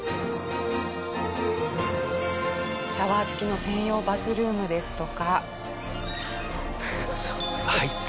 シャワー付きの専用バスルームですとか。